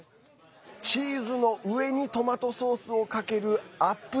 チーズの上にトマトソースをかけるアップ